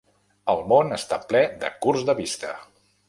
El món està ple de curts de vista!